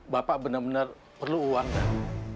bapak benar benar perlu uang kan